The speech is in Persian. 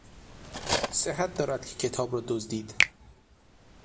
صحت دارد که کتاب را دزدید.